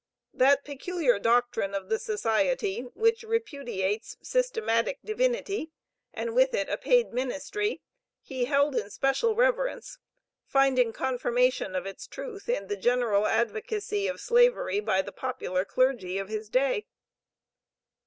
That peculiar doctrine of the Society, which repudiates systematic divinity and with it a paid ministry, he held in special reverence, finding confirmation of its truth in the general advocacy of Slavery, by the popular clergy of his day.